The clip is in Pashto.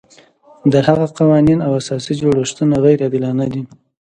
د هغه قوانین او اساسي جوړښتونه غیر عادلانه دي.